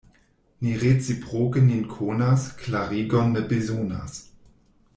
Ni reciproke nin konas, klarigon ne bezonas.